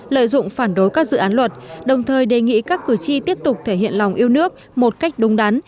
lợi dụng phản đối các dự án luật đồng thời đề nghị các cử tri tiếp tục thể hiện lòng yêu nước một cách đúng đắn